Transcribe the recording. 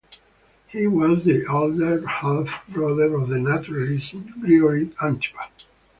He was the elder half brother of the naturalist Grigore Antipa.